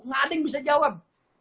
nggak ada yang bisa jawab